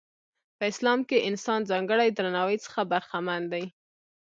په اسلام کې انسان ځانګړي درناوي څخه برخمن دی.